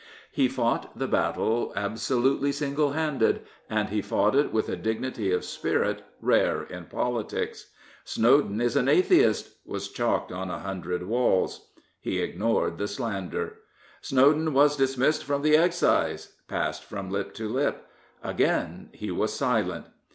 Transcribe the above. He fought the battle absolutely single handed, and he fought it with a dignity of spirit rare in politics. " Snowden is an Atheist " was chalked on a hundred walls. He ignored the slander. " Snowden was dismissed from the Excise " passed from lip to lip. Again he was silent.